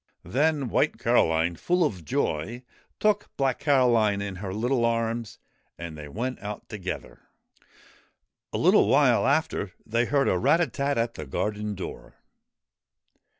Then White Caroline, full of joy, took Black Caroline in her little arms and they went out together. A little while after they heard a rat a tat at the garden door.